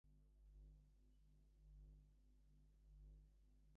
Each resonator is also tunable to allow for a wide range of velocities.